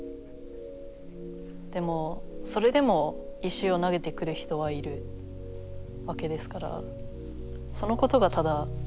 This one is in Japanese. でもそれでも石を投げてくる人はいるわけですからそのことがただ申し訳ないですね